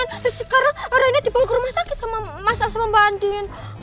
racunan sekarang rena dibawa ke rumah sakit sama mas al sama mbak andien